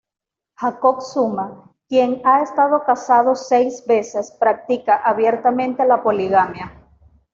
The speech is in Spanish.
Jacob Zuma, quien ha estado casado seis veces, practica abiertamente la poligamia.